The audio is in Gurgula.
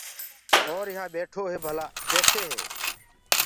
اور يهآنٚ ٻيٺو هي ڀلآ ڪيسي هي۔